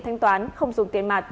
thanh toán không dùng tiền mặt